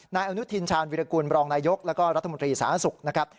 นายอนุทินชาญวิรกุลรองนายกรและรัฐมนตรีสาธารณสุข